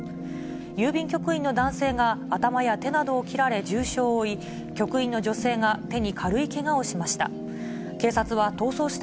郵便局員の男性が頭や手などを切られ、重傷を負い、局員の女性が手に軽いけがをしました。